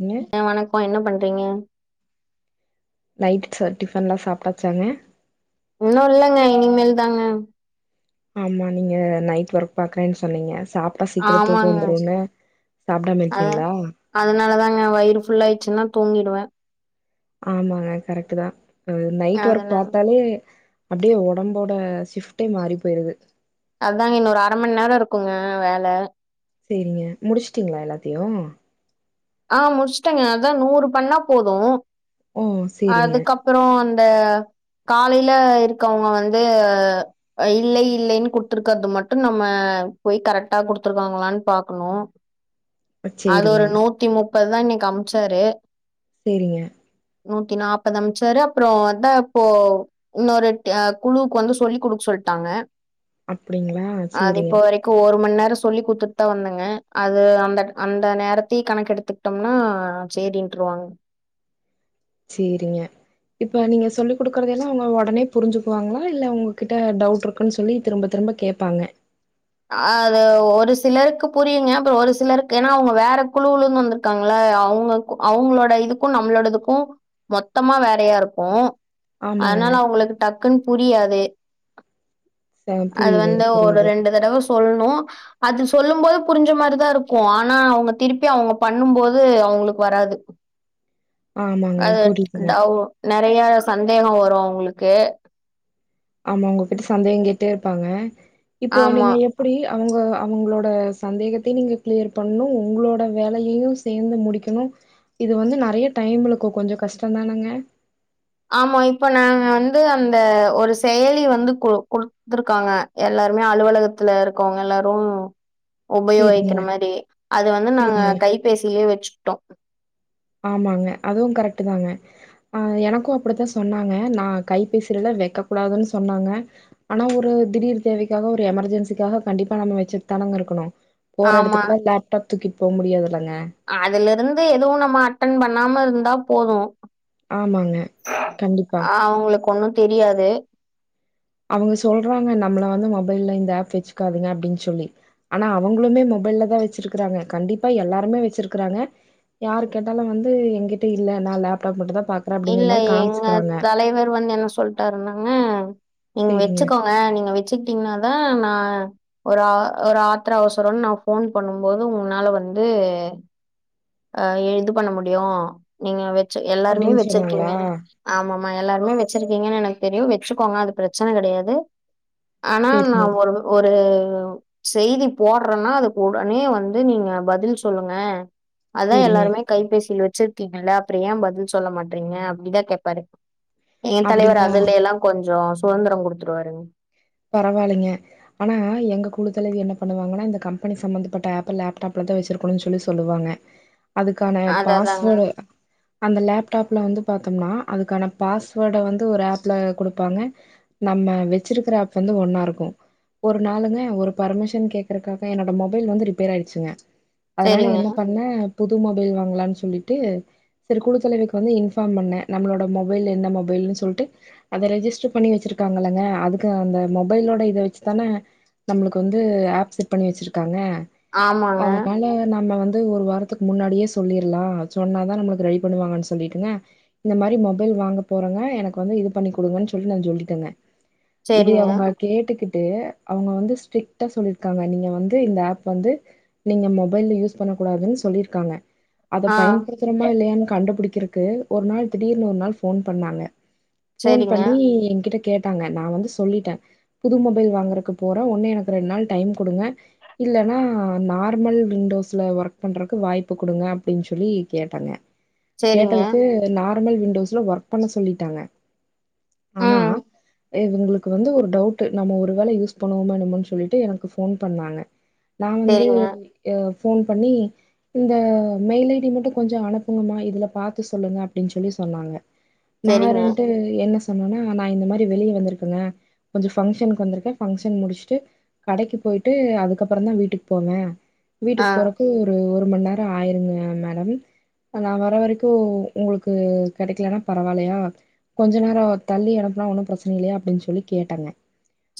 ங்க அ வணக்கொ என்ன பண் றிங்க நைட் ச டிஃபன்லா சாப்டாச்சாங்க இன்னு இல்லங்க இனிமேல் தாங்க ஆமா நீங்க நைட் ஒர்க் பாக்குறேன் சொன்னீங்க சாப்டா சீக்கிர ஆமாங்க வந்துருன்னு சாப்டாம அத இருக்கீங்ளா? அதனாலதாங்க வயிறு ஃபுல்ல ஆயிடுச்சுன்னா தூங்கிடுவேன் ஆமாங்க கரெக்ட் தான் அ நைட் ஒர்க் அதனால பார்த்தாலே அப்படியே உடம்போட சிப்ட்டே மாறி போயிருது அததாங்க இன்னொரு அரை மணி நேரம் இருக்குங்க வேலை சரிங்க முடிச்சுட்டீங்களா எல்லாத்தையும் ஆஹ் முடிச்சுட்டேங்க அதான் நூறு பண்ணா போதும் ஓ சேரிங்க அதுக்கப்புறம் காலையில இருக்கவங்க வந்து இல்லை இல்லைன்னு குடுத்துருக்கறிறது மட்டும் நம்ம போய் கரெக்டா குடுத்துருக்காங்களான்னு பாக்கணும் அது சேரிங்க ஒரு நூத்தி முப்ப இப்பதான் இன்னைக்கு அமிச்சாரு சேரிங்க நூத்தி நாற்பது அம்ச்சரு அப்புறம் அதான் இப்போ இன்னொரு குழுவுக்கு வந்து சொல்லி் கொடுக்க சொல்லிட்டாங்க அப்டிங்களா சேரிங்க அதுப்ப வரைக்கும் ஒரு மணி நேரம் சொல்லி கொத்து த வந்தங்க அது அந்த அந்த நேரத்தையும் கணக்கு எடுத்துக்கிட்டோம்னா சேரின்ருவாங்க சரிங்க இப்ப நீங்க சொல்லி் கொடுக்குறத எல்லாம் அவங்க உடனே புரிஞ்சுக்குவாங்களா இல்ல உங்ககிட்ட டவுட் இருக்குன்னு சொல்லி திரும்ப திரும்ப கேட்பாங்க அது ஒரு சிலருக்கு புரியுங்க அப்புறம் ஒரு சிலருக்கு ஏன்னா அவங்க வேற குழுலருந்து வந்திருக்காங்கள அவங்க அவங்களோட இதுக்கும் நம்மளோட இதுக்கும் மொத்தமா வேறையா இருக்கும் ஆமாங்க அதனால அவங்களுக்கு டக்கு டக்குன் புரியாது ச அது புரியுதுங்க வந்து ஒரு புரியுது ரெண்டு ட சொல்லணும் அது சொல்லும்போது புரிஞ்ச மாதிரிதான் இருக்கும் ஆனா அவங்க திருப்பி அவங்க பண்ணும்போது அவங்களுக்கு வராது ஆமாங்க அது புரியுதுங்க. நிறைய சந்த சந்தேகம் வரும் அவுங்களுக்கு ஆமா உங்க போட்டு சந்தேகம் கேிட்டே இருப்பாங்க இப்போ ஆமா. நீங்க எப்படி அவங்க அவங்களோட சந்தேகத்தையும் நீங்க கிளியர் பண்ணணும் உங்களோட வேலையையும் சேர்ந்து முடிக்கணும் இது வந்து நிறைய டைம் இருக்கும் கொஞ்சம் கஷ்டம் தானங்க ஆமா இப்ப நாங்க வந்து அந்த ஒரு செயலி வந்து கு கொடுத்துருக்காங்க எல்லாருமே அலுவலகத்துல இருக்கவங்க எல்லாரும் சரிங்க, உபயோகிக்கிற மாதிரி அது வந்து நாங்க சரிங்க. கைபேசியிலயே வச்சுட்டோம் ஆமாங்க அதுவும் கரெக்ட் தாங்க ஆஹ் எனக்கும் அப்படித்தான் சொன்னாங்க நான் கைபேசறத வைக்க கூடாதுன்னு சொன்னாங்க ஆனா ஒரு திடீர் தேவைக்காக ஒரு எமர்ஜென்சிக்காக கண்டிப்பா நம்ம வச்சட்டு தானங்க இருக்கணும் போற எடுத்துக்கலாம் லேப்டாப் தக்கி போக முடியாது அதுல இருந்து எதுவும் நம்ம ன் பண்ணாம இருந்தா போதும் ஆமாங்க கண்டிப்பா அவங்களுக்கு ஒண்ணும் தெரியாது அவங்க சொல்றாங்க நம்மளை வந்து மொபைல்ல இந்த ஆப் வச்சுக்காதுங்க அப்படின்னு சொல்லி ஆனா அவங்களுமே மொபைல்ல தான் வச்சிருக்கறாங்க கண்டிப்பா எல்லாருமே வச்சிருக்கறாங்க யாரு கேட்டாலும் வந்து எங்க்கிட்ட இல்ல நான் லேப்டாப் மட்டும் தான் இல்ல எங்க தலைவர் வந்து என்ன சொல்லிட்டாருந்தாங்க நீங்க சேரிங்க வச்சுக்கோங்க நீங்க வச்சுக்கிட்டீங்கன்னாதான் ந ஒரு ஆ ஒரு ஆத்திர அவசரம் நான் போன் பண்ணும்போது உங்களனால வந்துஹ இது பண்ண முடியும் நீங்க எல்லாருமே அப்டின்னு சொன்னாங்களா வச்சிருக்கீங்க ஆமாமா எல்லாருமே வச்ச இருக்கீங்கு எனக்கு தெரியும் வெட்டுக்கோங்க அது பிரச்சனை கிடையாது ஆனா சேரிங்க நான் ஒரு ஒரு செய்தி போடுறேன்னா அதுக்கு உடனே வந்து நீங்க பதில் சொல்லுங்க அதான் சேரிங்க எல்லாருமே கைபேசியில் வச்ச வச்சிருக்கீங்களா அப்பறம் ஏன் பதில் சொல்ல மாட்டேன் ங்க அப்படிதான் கேப்பாரு எங்க தலைவர் அப்டிங்களா அதுல எல்லாம் கொஞ்சம் சுதந்திரம் கொடுத்துருவாருங்க பரவாயில்லைங்க ஆனா எங்க கூடத்துல இது என்ன பண்ணுவாங்கன்னா இந்த கம்பெனி சம்பந்தப்பட்ட ஆப் லேப்டாப்லதான் வச்சிருக்கணும்னு சொல்லி சொல்லுவாங்க அதுக்கான அத அதாங்க பாஸ்வேர்டு அந்த லேப ப்ல வந்து பா்த்தோம்னா அதுக்கான பாஸ்வேர்ட வந்து ஒரு ஆப்ல கொடுப்பாங்க நம்ம வச்சிருக்கப் வந்து ஒன்னா இருக்கும் ஒரு நாளுங்க ஒரு பர்மிஷன் கேக்குறதுக்காக என்னோட மொபைல் வந்து ரிப்பேர் ஆயிடுச்சுங்க அதனால சேரிங்க என்ன பண்ண புது மொபைல் வாங்கலான்னு சொல்லிட்டு சரி குடுத்தலைவைக்கு வந்து இன்ஃபார்ம் பண்ணேன் நம்மளோட மொபைல் எந்த மொபைல்ன்னு சொல்லிட்டு அதை ரெஜிஸ்டர் பண்ணி வச்சிருக்காங்கங்க அதுக்கு அந்த மொபைலோட இதை வச்சு தானே நம்மளுக்கு வந்து ஆப் செட் பண்ணி வச்சிருக்காங்க ஆமாங்க அதனால நம்ம வந்து ஒரு வாரத்துக்கு முன்னாடியே சொல்லிரலாம் சொன்னாதான் நம்மளுக்கு ரெடி பண்ணுவாங்கன்னு சொல்லிட்டுங்க இந்த மாதிரி மொபைல் வாங்க போறங்க எனக்கு வந்து இது பண்ணி கொடுங்கன்னு சொல்லிட்டு நான் சொல்லிட்டங்க சேரிங்க அவங்க கேட்டுக்கிட்டு அவங்க வந்து ஸ்ரிட்டா சொல்லிருக்காங்க நீங்க வந்து இந்த ஆப் வந்து நீங்க மொபைல்ல யூஸ் பண்ணக்கூடாதுன்னு சொல்லிருக்காங்க அதை ஆ பயன்படுத்துறமா இல்லையான்னு கண்டுபிடிக்க இருக்கு ஒரு நாள் திடீர்னு ஒரு நாள் போன் பண்ணாங்க போன் சேரிங்க பண்ணி எங்கிட்ட கேட்டாங்க நா வந்து ஸ் சொல்லிட்டே புது மொபைல் வாங்கறக்கு போறோ ஒன்னு எனக்கு ரெண்டு நாள் டைம் கொடுங்க இல்லன்னா நார்மல் விண்டோஸ்ல ஒர்க் பண்றக்கு வாய்ப்பு கொடுங்க அப்டின்னு சொல்லி கேட்டாங்க சேரிங்க கேட்டதுக்கு நா [unintelligible] விண்டோஸ்ல ஒர்க் பண்ண சொல்லிட்டாங்க ஆனா ம் இவங்களுக் க்கு வந்து ஒரு டவுட்டு நம்ம ஒரு வேள யூஸ் பண்ணுவோமோ என்னமோனு சொல்லிட்டு எனக்கு ஃபோன் பண்ணாங்க நா வந்து சேரிங்க ஏ ஃபோன் பண்ணி இந்த மெயில் ஐ டி மட்டு கொஞ்சோ அனுப்புங்கமா இதுல பாத்து சொல்லுங்க அப்டின்னு சொல்லி சொன்னாங்க நா சேரிங்க இருன்ட்டு என்ன சொ சொன்னொன்னே நா இந்த மாரி வெளிய வந்திருக்கங்க கொஞ்சோ ஃபங்க்ஷனுக்கு வந்திருக்கே ஃபங்க்ஷன் முடிச்சுட்டு கடைக்கு போயிட்டு அதுக்கப்பறந்தா வீட்டுக்கு போவே ஆ வீட்டுக்கு போறக்கு ஒரு ஒரு மண்நேரோ ஆயிருங்க மேடம் நா வர வரைக்கு உங்களுக்கு கெடைக்கலனா பரவாயில்லயா கொஞ்ச நேரோ தள்ளி அனுப்புனா ஒன்னு பிரச்சன இல்லையா அப்டின்னு சொல்லி கேட்டாங்க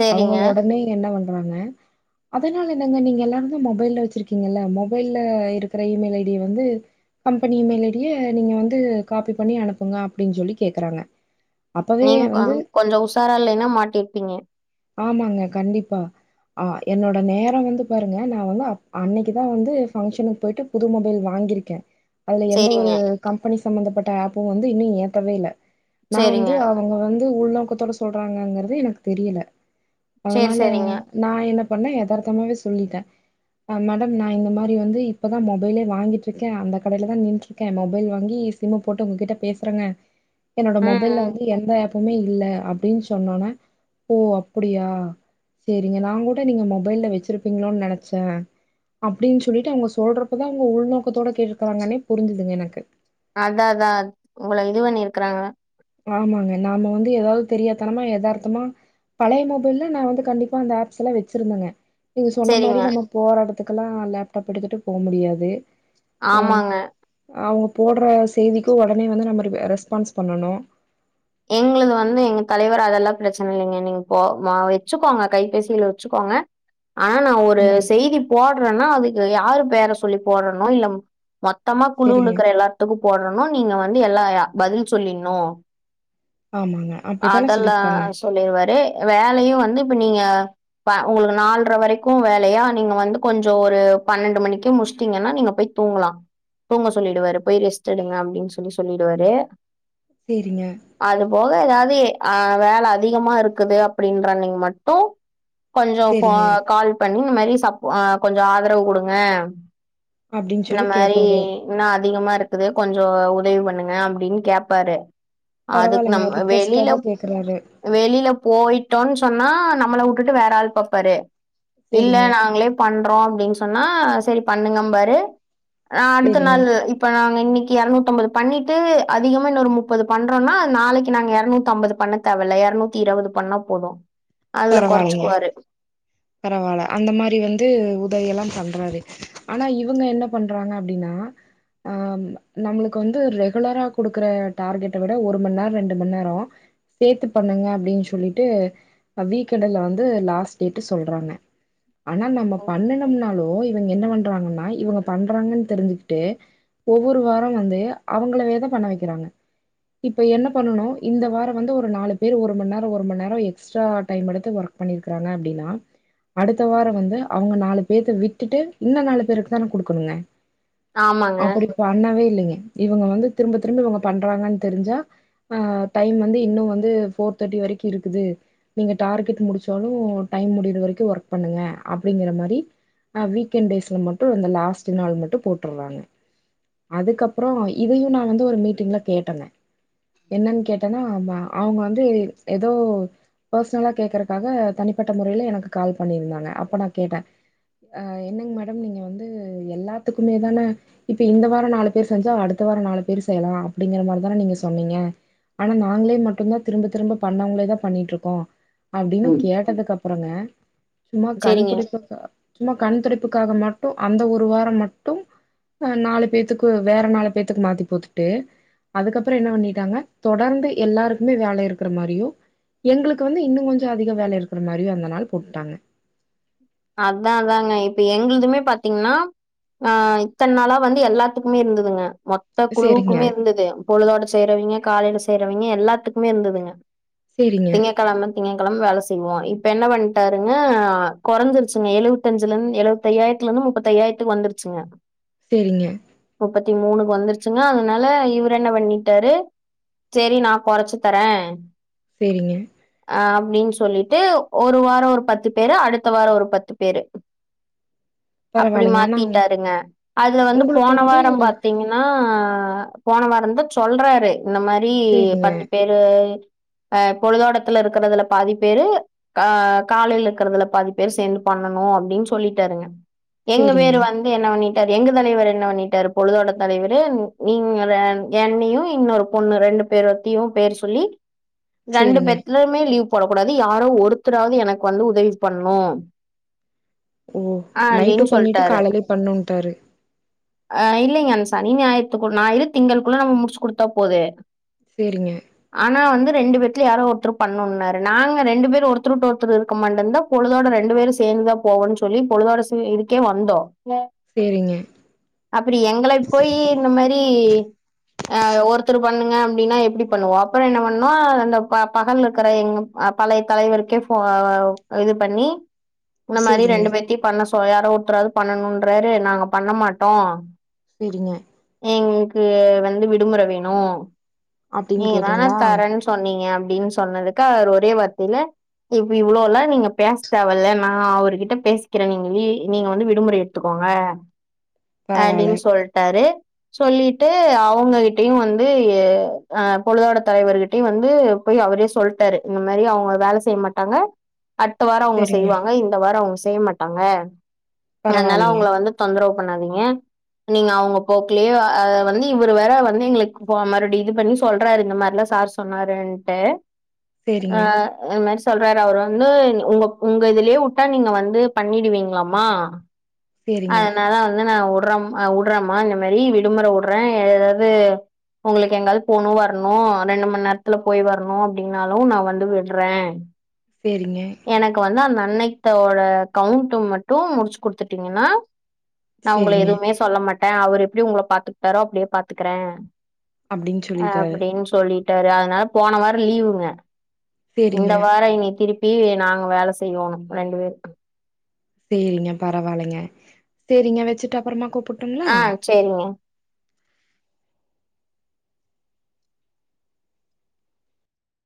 சேரிங்க அவங்க உடனே என்ன வந்து [unintelligible] அதனால என்னங்க நீங்க எல்லாரு மொபைல்ல வச்சிருக்கீங்கல்ல மொபைல்ல இருக்கிற இமெயில் ஐ டிய வந்து கம்பெனி இமெயில் ஐ டிய நீங்க வந்து காபி பண்ணி அனுப்புங்க அப்படின்னு சொல்லி கேக்குறாங்க அப்பவே நீங் வந்து கங் கொஞ்சோ உசாரா இல்லேனா மாட் டிப்பீங்க ஆமாங்க கண்டிப்பா ஆ என்னோட நேரோ வந்து பாருங்க நா வந்து அன்னைக்குதா வந்து ஃபங்க்ஷனுக்கு போயிட்டு புது மொபைல் வாங்கிருக்கே அதுல எந்த ஒரு "சேரிங்க, கம்பெனி சி சம்பந்தப்பட்ட ஆப்பு வந்து இன்னு ஏத்தவே இல்ல நா சேரிங்க, வந்து அவங்க வந்து உள்ள க்கத்தோட சொ றாங்கங்கறத எனக்கு தெரியல சேரி அதனால சேரிங்க, நா என்ன பண்ணே யதார்த்தமாவே சொல்லிட்டே அ மேடம் நா இந்த மாரி வந்து இப்பதா மொபைலே வாங்கிட்ருக்கே அந்த கடையில தா நின்ட்ருக்கே மொபைல் வாங்கி சிம்மு போட்டு உங்ககிட்ட பேசுறேங்க என்னோட ம், மொபைல்ல ம். வந்து எந்த ஆப் லமே இல்ல அப்டின்னு சொ சொன்னோன ஓ அப்படியா செரிங்க நா கூட நீங்க மொபைல்ல வச்சிருப்பீங்களோனு நெனைச்சே அப்டின்னு சொல்லிட்டு அவங்க சொல்றப்பதா அவங்க உள்நோக்கத்தோட கேட்டுருக்கறாங்கன்னே புரிஞ்சுதுங்க எனக்கு அதா தா உங்கள இது பண்ணிருக்குறாங்க ஆமாங்க நாம வந்து ஏதாவது தெரியாதனமா எதார்த்தமா பழைய மொபைல்ல நா வந்து கண்டிப்பா அந்த ஆப்ஸ் எல்லா வச்சிருந்தங்க இது சொன்ன மாரி சேரிங்க, நம்ம போராடு இத்துக்கெல்லாம் லேப்டாப் எடுத்துட்டு போக முடியாது ஆஹ் ஆமாங்க. ஆ போடுற செய்திக்கும் உடனே வந்து நம்ம ரெஸ்பான்ஸ் பண்ணணும் எங்கது வந்து எங்க தலைவர் அதெல்லாம் பிரச்சனை இல்லைங்க நீங்க போ வச்சுக்கோங்க கைபேசியில வச்சுக்கோங்க ஆனா நான் ஒரு ஆமாங்க. செய்தி போடுறேன்னா அதுக்கு யாரு வேற சொல்லி போடணும் இல்ல மொத்தமா சரிங்க. குழுவலக்கற எல்லாத்துக்கும் போடுறணும் நீங்க வந்து வந்து எல்லா பதில் சொல்லனும் ஆமாங்க. அப்படித்தானே அதெல்லாம் சொல்லியிருக்காங்க. சொல்லிருவாரு வேலையும் வந்து இப்ப நீங்க உங்களுக்கு நாலற வரைக்கும் வேலையா நீங்க வந்து கொஞ்சம் ஒரு பன்னெண்டு மணிக்கே முச்சிட்டீங்கன்னா நீங்க போய் தூங்கலாம் தூங்க சொல்லிடுவாரு போய் ரெஸ்ட் எடுங்க அப்படின்னு சொல்லி சொல்லிடுவாரு சரிங்க, அது போக ஏதாவது அஹ் வேலை அதிகமா இருக்குது அப்படின்ற நீங்க மட்டும் கொஞ்சம் சரிங்க கால் பண்ணி இந்த மாதிரி சப் கொஞ்சம் ஆதரவு கொடுங்க அப்படின்னு இந்த சொல்லி மாதிரி கேட்பாரு. இனும் அதிகமா இருக்குது கொஞ்சம் உதவி பண்ணுங்க அப்படின்னு கேப்பாரு அதுக்கு நம் பரவாயில்லைங்க ர்க்வஸ்ட் வெளியில வெளியில போயிட்டோன்னு சொன்னா ஆ நம்மளை விட்டுட்டு வேற ஆள் பார்ப்பாரு இல்ல சேரிங்க நாங்களே பண்ண பண்றோம் அப்படின்னு சொன்னா சரி பண்ணுங்க பாரு ஆஹ அடுத்த சேரிங்க நாள் இப்ப நாங்க இன்னை இருநூத்தி ஐம்பது பண்ணிட்டு அதிகமா இன்னொரு முப்பது பண்றோம்னா நாளைக்கு நாங்க இருநூத்தி ஐம்பது பண்ண தேவல இ இருநூத்தி இருபது பண்ணா போதும் அதுல பரவாயில்லைங்க குறைச்சுக்குவாரு பரவாயில்ல அந்த மாதிரி வந்து உதவிய எல்லாம் பண்றாரு ஆனா இவங்க என்ன பண்றாங்க அப்படின்னா அஹ் நம்மளுக்கு வந்து ரெகுலரா குடுக்குற டார்கெட்டை விட ஒரு மணி நேரம் ரெண்டு மணி நேரம் சேர்த்து பண்ணுங்க அப்படின்னு சொல்லிட்டு வீக்கெண்ட்ல வந்து லாஸ்ட் டே சொல்றாங்க ஆனா நம்ம ம். பண்ணனம்னாலு இப் என்ன பண்றாங்கனா இவங்க பண்றாங்க தெரிஞ்சிக்கிட்டே ஒவ்வொரு வாரம் வந்து அவங்களே தான் பண்ண வைக்கறாங்க இப்ப என்ன பண்ணணும் இந்த வாரம் நாலு பேர் ஒரு மணி நேரம் ஒரு மணி நேரம் எக்ஸ்ட்ரா எடுத்து பண்றாங்க அப்படின்னா அடுத்த வாரம் வந்து அவங்க நாலு பேத்த விட்டுட்டு இந்த நாலு பேருக்கு தானே கொடுக்கணுங்க ஆமாங்க. அப்படி பண்ணவேே இல்லை இவங்க திரும்ப திரும்ப பண்ணுவாங்க தெரிஞ்சா போர் தேர்ட்டி வரை இருக்கு நீங்க முடிச்சாலும் டைம் முடிய வரைக்கும் ஒர்க் பண்ணுங்க அப்படிங்கிற மாதிரி வீக்கண்ட் மட்டும் லாஸ்ட் நாள் மட்டும் போட்டுறாங்க அதுக்கப்புறம் இதையும் நான் வந்து ஒரு மீட்டிங்ல கேட்டே என்னன்னு கேட்டேனா அவங்க வந்து ஏதோர்சனலா கேறாக தனி அப்பட்ட முறையில எனக்கு கால் பண்ணிருந்தாங்க அப்ப நா கேட்ட அ என்னங்க மேடம் நீங்க வந்து எல்லாத்துக்குமே தான இப்ப இந்த வாரோ நாலு பேரு செஞ்சா அடுத்த வாரோ நாலு பேரு செய்யலா அப்டிங்கிற மாரிதான நீங்க சொன்னீங்க ஆனா நாங்களே மட்டுந்தா திரும்ப திரும்ப பண்ணவங்களேதா பண்ணிட்ருக்கோ அப்டின்னு ம். கேட்டதுக்கு பாங்க சும்மா சரிங்க. கண்துடைப்புக்கு சும்மா கண்துடைப்புக்காக மட்டு அந்த ஒரு வாரோ மட்டும் அ நாலு பேத்துக்கு வேற நாலு பேத்துக்கு மாத்தி போத்துட்டு அதுக்கப்புறோ என்ன பண்ணிட்டாங்க தொடர்ந்து எல்லாருக்குமே வேலை இருக்குற மாரியு எங்களுக்கு வந்து இன்னுங் கொஞ்சோ அதிக வேல இருக் இருக்குற மாரியு அந்த நாள் போட்டாங்க அதா அதாங்க இப்ப எங்களுதுமே பாத்தீங்கன்னா ஆ இத்தன் நாளா வந்து எல்லாத்துக்குமே இருந்துதுங்க மொத்த சேரிங்க குழுவுக்குமே இருந்துது பொழுதோட செய்யிறவிங்க காலையில செய்யிறவிங்க எல்லாத் எல்லாத்துக்குமே இருந்ததுங்க சேரிங்க திங்கக்கெழமன் திங்கக்கெழம வேல செய்வோ இப் இப்ப என்ன பண்ட்டாருங்க கொறஞ்சுருச்சுங்க எழுபத்தஞ்சுல இருந்து எழுபத்திஐயாயிரத்துல இருந்து முப்பத்தி ஐயாயிரத்துக்கு வந்துருச்சுங்க சேரிங்க முப்பத்தி மூணு வந்துருச்சுங்க அதனால இவரு என்ன பண்ணிட்டாரு சேரி நா கொறச்சு தர சேரிங்க அப்டின் சொல்லிட்டு ஒரு வாரோ ஒரு பத்து பேரு அடுத் த வாரோ ஒரு பத்து பேரு அப்டி பரவாயில்லைங்க ஆனா மாத்திட்டாருங்க அதுல வந்து உங்களுக்கு போன வந்து வாரம் பாத்தீங்கன்னா ஆ போன வாரந்தா சொல்றாரு இந்த மாரி சேரிங்க பத்து பேரு அ பொழுதோடத்துல இருக்கறதுல பாதி பேரு ஆ காலையில இருக்குறதுல பாதிப் பேர் சேந்து பண்ணனு அப்டின் சொல்லிட்டாருங்க எங்க சேரிங்க பேரு வந்து என்ன பண்ணி ட்டாரு எங்க தலைவர் என்ன பண்ணிட்டாரு பொழுதோட தலைவரு நீங்க என்னையு இன்னொரு பொண்ணு ரெண்டு பேரத்தியு பேர் சொல்லி ரெண்டு சேரிங்க பேத்துலமே லீவ் போடக்கூடாது யாரோ ஒருத்தராவது எனக்கு வந்து உதவி பண்ணு ஓ நைட்டு அப்படின்னு பண்ணிட்டு சொல்லிட்டாரு காலையிலயு பண்ணுன்டாரு ஆ இல்லைங்க அந் சனி ஞாயித்துக்குள் ஞாயிரு திங்கள்குள்ள நம்ம முடுச்சு குடுத்தா போது சேரிங்க ஆனா வந்து ரெண்டு பேத்துல யாரோ ஒருத்தரு பண்ணு நாங்க ரெண்டு பேரு ஒருத்தருவுட்டு ஒருத்த இருக்க மாட்டந்தா பொழுதோட ர ரெண்டு பேரு சேர்ந்துதா போவோன்னு சொல்லி பொழுதோட சே இதுக்கே வந்தோ சேரிங்க அப்பிடி எங்கள போயி இந்த மாரி அ ஒருத்தர் பண்ணுங்க அப்டின்னா எப்டி பண்ணுவோ அப்புறோ என்ன பண்ணோ அந்த பகல் இருக்குற எங்க பழைய தலைவருக்கே போ இது பண்ணி இந்த மாரி சேரிங்க ரெண்டு பேத்தியு பண்ணஸ் சோயார ஊத்துறது பண்ணனுன்றாரு நாங்க பண்ணமாட்டோ சேரிங்க த் வந்து விடுமுறவேணு அப்டின்னு நீங்க தான கேட்டீங்களா தரேன்னு சொன்னீங்க ப்பிடின்னு சொன்னதுக்கு அவர் ஒரே வார்த்தையில இப்ப இவ்வளோல்லா நீங்க பேச தேவல நா அவர்கிட்ட பேசிக்கிறே நீங்க நீங்க வந்து விடுமுற எடுத்துக்கோங்க பரவால்ல அடின்னு சொல்ட்டாரு சொல்லிட்டு அவங்ககிட்டயு வந்து எ அ பொழுதோட தலைவர்கிட்டையு வந்து போய் அவரே சொல்ட்டாரு இந்த மாரி அவங்க வேல செய்யமாட்டாங்க அடுத்த வாரொ அவங்க சேரிங்க செய்வாங்க இந்த வாரொ அவங்க செ செய்யமாட்டாங்க அதனால பரவால்லைங்க அவங்கள வந்து தொந்தரவுப் பண்ணாதீங்க நீங்க அவங்க போக்கிலே வந்து இவரு வேற வந்து எங்களுக்கு போ மறுபடி இது பண்ணி சொ சொல்றாரு இந்த மாரிலா சார் சொன்னாருன்ட்டு அ சேரிங்க எமர்ஷ் சொல்றாரு அவர் வந்து உங்க உங்க இதுலயேவுட்டா நீங்க வந்து பண்ணிடுவீங்களாமா சேரிங்க அதனாலா வந்து நா உ உடுற் அ உடுறமா இந்த மாரி விடுமுற உடுறே ஏதாது உங்களுக்கு எங்க போனு வரணு ரெண்டு மணி நேரத்துல போய் வரணு அப்பிடின்னாலு நா வந்து விடறே சேரிங்க எனக்கு வந்து அந்தா அன்னைத்தோட கவுண்ட் மட்டு முடிச்சு குடுத்துட்டீங்கன்னா நா உங்க சேரிங்க எதுவுமே சொல்ல மாட் டேன் அவர் எப்பிடி உங்கள பாத்துக்கிட்டாரோ அப்பிடியே பாத்துக்கறே அப்டின்னு அ சொல்லிட்டாரு அப்பிடின்னு சொல்லி விட்டாரு அதனால போன வாரம் லீவுங்க இந்த சேரிங்க வாரம் இனி திருப் பிவி நாங்க வேல செய்யோணு ரெண்டு பேருக்கு சேரிங்க பரவாயில்லங்க சேரிங்க வச்சுட்டு அப்புறமா கூப் ஆ சேரிங்க